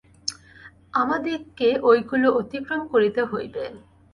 আমাদিগকে ঐগুলি অতিক্রম করিতে হইবে।